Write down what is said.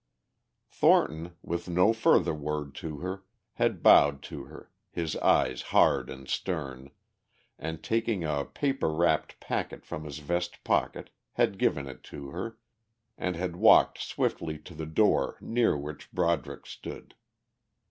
Thornton, with no further word to her, had bowed to her, his eyes hard and stern, and taking a paper wrapped packet from his vest pocket had given it to her, and had walked swiftly to the door near which Broderick stood.